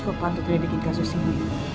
kepala untuk redikin kasus ini